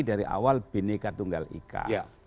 dari awal bhinneka tunggal ika